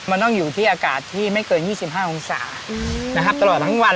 มันต้องอยู่ที่อากาศที่ไม่เกิน๒๕องศานะครับตลอดทั้งวัน